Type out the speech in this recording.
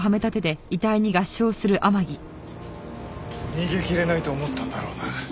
逃げきれないと思ったんだろうな。